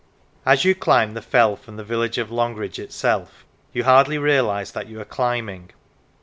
As you climb the fell from the village of Longridge itself, you hardly realise that you are climbing.